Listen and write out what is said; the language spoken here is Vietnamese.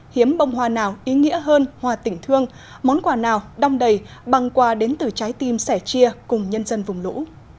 hiếm bông hoa nào ý nghĩa hơn hòa tỉnh thương món quà nào đong đầy bằng quà đến từ trái tim sẻ chia cùng nhân dân vùng lũ